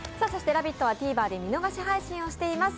「ラヴィット！」はＴｖｅｒで見逃し配信をしています。